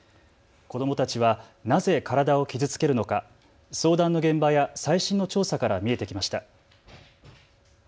子どもたちはなぜ体を傷つけるのか、相談の現場や最新の調査から見えてきました。